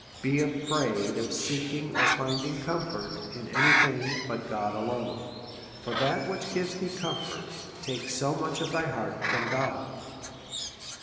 Be afraid of seeking or finding comfort in any thing but God alone ; for that which gives thee com fort takes so much of thy heart from God.